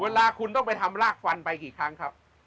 เวลาคุณต้องไปทำลากฟันไปกี่ครั้งครับ